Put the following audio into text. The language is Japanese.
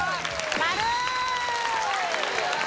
丸！